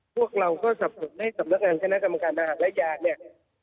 พวกเราก็สรรพสมุดให้กับนักงานคณะกรรมการน้ำหาดและยาเนี่ย